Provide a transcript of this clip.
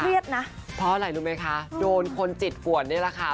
นะเพราะอะไรรู้ไหมคะโดนคนจิตกวนนี่แหละค่ะ